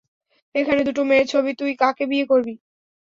এখানে দুটো মেয়ের ছবি তুই কাকে বিয়ে করবি?